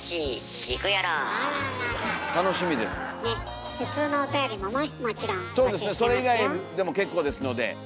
そうですねそれ以外でも結構ですので。